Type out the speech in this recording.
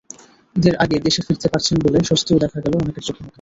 ঈদের আগে দেশে ফিরতে পারছেন বলে স্বস্তিও দেখা গেল অনেকের চোখে-মুখে।